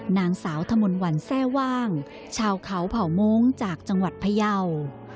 นางสาวธมนต์วันแทร่ว่างชาวเขาเผ่าโม้งจากจังหวัดพยาว